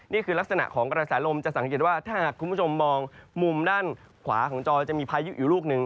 นี่คือลักษณะของกระแสลมจะสังเกตว่าถ้าหากคุณผู้ชมมองมุมด้านขวาของจอจะมีพายุอยู่ลูกหนึ่ง